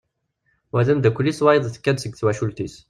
Wa d amddakel-is wayeḍ tekka-d seg twacult-is.